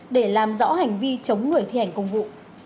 để làm rõ hành vi chống người thi hành công vụ